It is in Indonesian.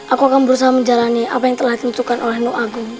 aku akan berusaha menjalani apa yang telah diluncurkan oleh nu agung